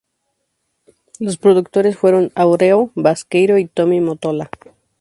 Los productores fueron Áureo Baqueiro y Tommy Mottola.